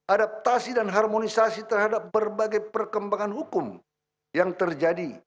adaptasi dan harmonisasi terhadap berbagai perkembangan hukum yang terjadi